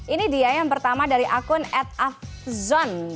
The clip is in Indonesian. ini dia yang pertama dari akun ad afzon